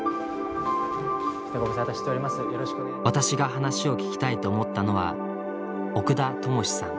私が話を聞きたいと思ったのは奥田知志さん。